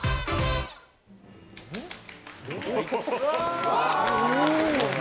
うわ！